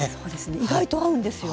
意外と合うんですよ。